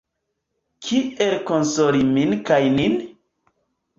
Kiel konsoli min kaj nin?